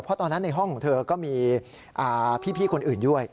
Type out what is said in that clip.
เพราะตอนนั้นในห้องของเธอก็มีพี่คนอื่นด้วย